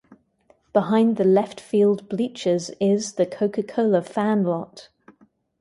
Behind the left field bleachers is "The Coca-Cola Fan Lot".